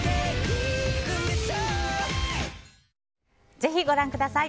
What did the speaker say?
ぜひご覧ください。